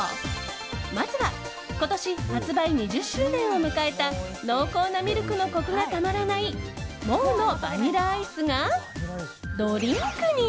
まずは今年発売２０周年を迎えた濃厚なミルクのコクがたまらないＭＯＷのバニラアイスがドリンクに！